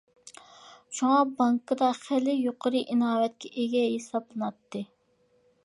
شۇڭا بانكىدا خېلى يۇقىرى ئىناۋەتكە ئىگە ھېسابلىناتتى.